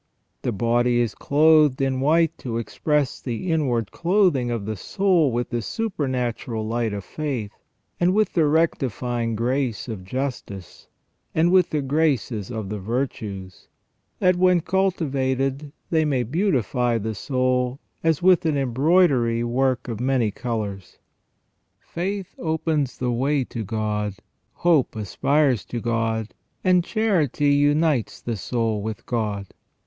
The body is clothed in white to express the inward clothing of the soul with the supernatural light of faith, and with the rectifying grace of justice, and with the graces of the virtues, that when cultivated they may beautify the soul as with an embroidery work of many colours. Faith opens the way to God, hope aspires to God, and charity unites the soul with God.